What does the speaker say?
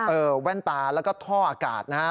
เออแว่นตาแล้วก็ท่ออากาศนะครับ